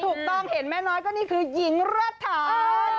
ถูกต้องเห็นแม่น้อยก็นี่คือหญิงระถา